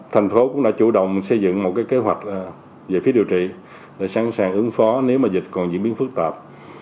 thành phố cũng đã chủ động xây dựng một kế hoạch về phía điều trị để sẵn sàng ứng phó nếu mà dịch còn diễn biến phức tạp